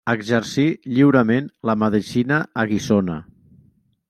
Exercí lliurement la medicina a Guissona.